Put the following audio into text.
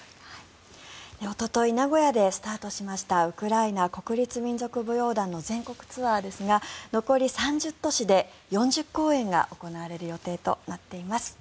おととい名古屋でスタートしましたウクライナ国立民族舞踊団の全国ツアーですが残り３０都市で４０公演が行われる予定となっています。